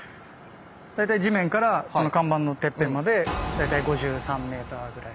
地面からこの看板のてっぺんまで大体５３ｍぐらい。